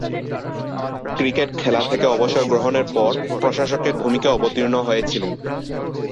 Cricket খেলা থেকে অবসর গ্রহণের পর প্রশাসকের ভূমিকায় অবতীর্ণ হয়েছিলেন।